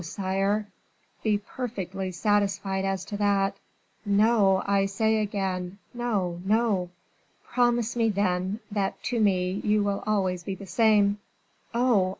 sire, be perfectly satisfied as to that. No, I say again; no, no!" "Promise me, then, that to me you will always be the same." "Oh!